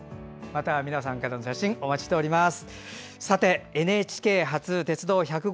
また皆さんからの写真お待ちしております。